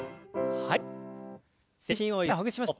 はい。